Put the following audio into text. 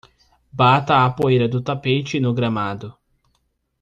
Bata a poeira do tapete no gramado.